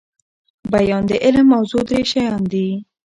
دبیان د علم موضوع درې شيان دي.